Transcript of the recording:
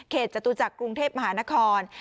เขตจตุจักรุงเทพฯมหานคร